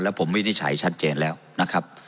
ผมวินิจฉัยชัดเจนแล้วนะครับ